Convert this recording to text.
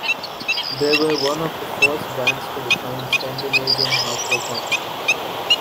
They were one of the first bands to define Scandinavian hardcore punk.